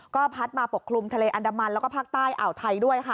ก็พัดมาปกคลุมทะเลอันดามันแล้วก็ภาคใต้อ่าวไทยด้วยค่ะ